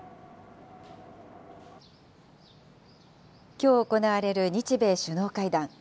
きょう行われる日米首脳会談。